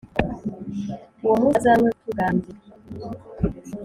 Uwo munsi bazanywe mu buturo bwanjye